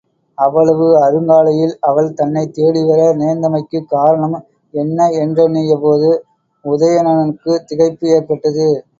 அவ்வளவு அருங்காலையில் அவள் தன்னைத் தேடிவர நேர்ந்தமைக்குக் காரணம் என்ன என்றெண்ணியபோது, உதயணனுக்குத் திகைப்பு ஏற்பட்டது.